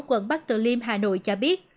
quận bắc tự liêm hà nội cho biết